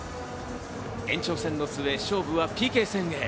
延長戦の末、勝負はＰＫ戦へ。